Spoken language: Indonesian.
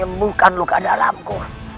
menyembuhkan luka dalamku